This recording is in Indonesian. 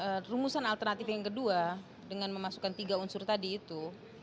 nah rumusan alternatif yang kedua dengan memasukkan tiga unsur tadi itu